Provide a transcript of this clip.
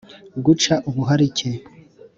guca ubuharike